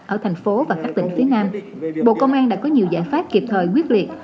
ở thành phố và các tỉnh phía nam bộ công an đã có nhiều giải pháp kịp thời quyết liệt